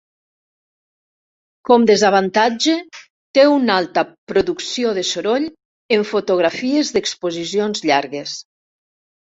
Com desavantatge té una alta producció de soroll en fotografies d'exposicions llargues.